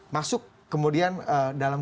masuk kemudian dalam